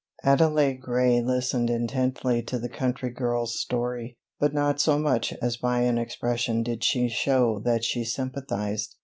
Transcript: Adele Gray listened intently to the country girl's story, but not so much as by an expression did she show that she sympathized.